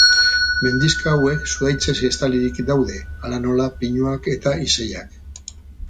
Mendixka hauek zuhaitzez estalirik daude, hala nola, pinuak eta izeiak.